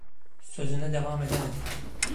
Sözüne devam edemedi.